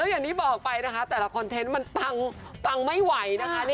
อย่างที่บอกไปนะคะแต่ละคอนเทนต์มันปังไม่ไหวนะคะ